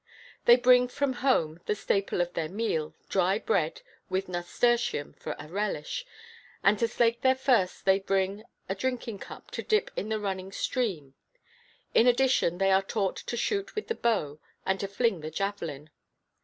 They bring from home the staple of their meal, dry bread with nasturtium for a relish, and to slake their thirst they bring a drinking cup, to dip in the running stream. In addition, they are taught to shoot with the bow and to fling the javelin.